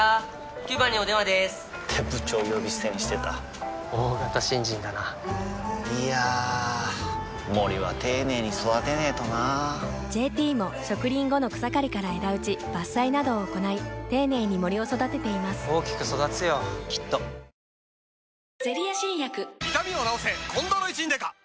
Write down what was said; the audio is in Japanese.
９番にお電話でーす！って部長呼び捨てにしてた大型新人だないやー森は丁寧に育てないとな「ＪＴ」も植林後の草刈りから枝打ち伐採などを行い丁寧に森を育てています大きく育つよきっとヤバい持ってかれる！うわ！